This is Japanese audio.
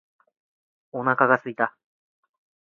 お腹が空いた。